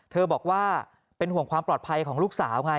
บอกว่าเป็นห่วงความปลอดภัยของลูกสาวไง